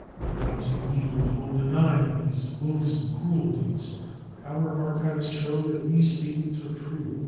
The Nazi leaders will deny these loathsome cruelties. But our archives show that these statements are true.